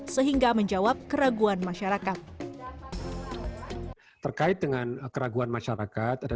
sehingga menjawab keraguan masyarakat